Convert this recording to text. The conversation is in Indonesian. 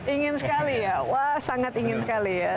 ingin sekali ya wah sangat ingin sekali ya